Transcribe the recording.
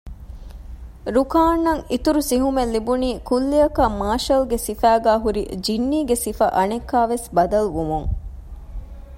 ރުކާންއަށް އިތުރު ސިހުމެއް ލިބުނީ ކުއްލިއަކަށް މާޝަލްގެ ސިފައިގައި ހުރި ޖިންނީގެ ސިފަ އަނެއްކާވެސް ބަދަލުވުމުން